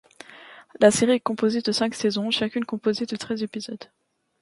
La série est composée de cinq saisons, chacune composée de treize épisodes.